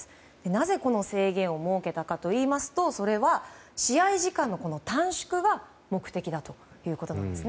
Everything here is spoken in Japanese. なぜこの制限を設けたかといいますと試合時間の短縮が目的だということです。